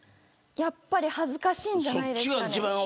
やっぱり恥ずかしいんじゃないですか。